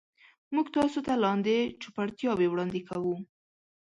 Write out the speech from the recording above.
موږ تاسو ته لاندې چوپړتیاوې وړاندې کوو.